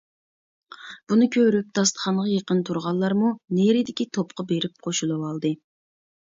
بۇنى كۆرۈپ داستىخانغا يېقىن تۇرغانلارمۇ نېرىدىكى توپقا بېرىپ قوشۇلۇۋالدى.